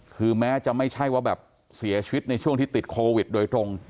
คือแม้จะไม่ใช่ว่าแบบเสียชีวิตในช่วงที่ติดโควิดโดยตรง